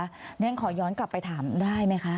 เรียนขอย้อนกลับไปถามได้ไหมคะ